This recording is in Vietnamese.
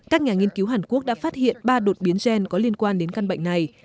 các nhà nghiên cứu hàn quốc đã phát hiện ba đột biến gen có liên quan đến căn bệnh này